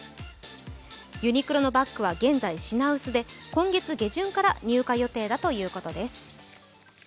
ユニクロのバッグは現在品薄で今月下旬から入荷予定だということです。